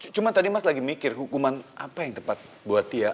cuma tadi mas lagi mikir hukuman apa yang tepat buat tia